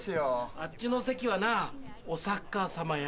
あっちの席はなおサッカー様や。